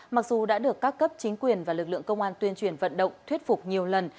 mặc dù đã được các cấp chính quyền và lực lượng công an tuyên truyền vận động thuyết phục nhiều lần